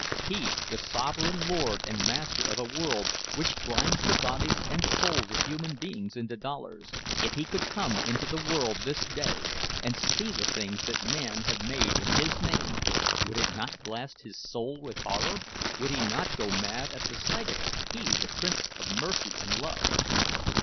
He, the sovereign lord and master of a world which grinds the bodies and souls of human beings into dollars—if he could come into the world this day and see the things that men have made in his name, would it not blast his soul with horror? Would he not go mad at the sight of it, he the Prince of Mercy and Love!